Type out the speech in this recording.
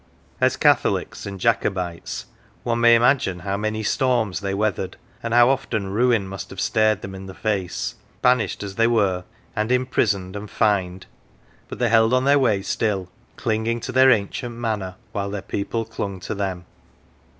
As Catholics and Jacobites, 176 OF THE WALL one may imagine how many storms they weathered, how often ruin must have stared them in the face, banished as they were, and imprisoned, and fined. But they held on their way still, clinging to their ancient manor while their people clung to them.